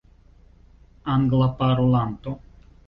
anglaparolanto